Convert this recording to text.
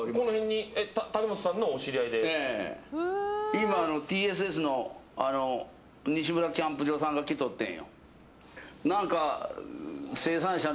今ＴＳＳの「西村キャンプ場」さんが来とってんよ。